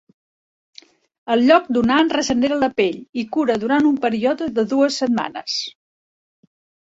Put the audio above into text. El lloc donant regenera la pell i cura durant un període d dues setmanes.